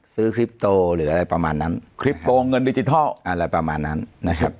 ซื้อคลิปโตหรืออะไรประมาณนั้นคลิปโตเงินดิจิทัลอะไรประมาณนั้นนะครับ